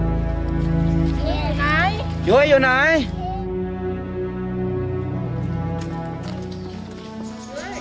คนไหนอยู่ตรงนี้